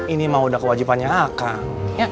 ini mah udah kewajipannya kang